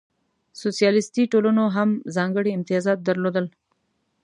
سوسیالیستي ټولنو هم ځانګړې امتیازات درلودل.